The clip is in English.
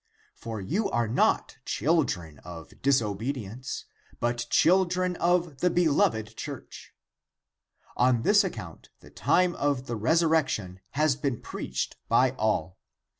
22. [For you are not children of disobedience, but children of the beloved Church. 23. On this account the time of the resurrection has been preached by all.]^^ 24.